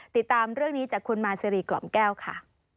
ติดตามเรื่องนี้จากคุณมาซีรีกล่อมแก้วค่ะ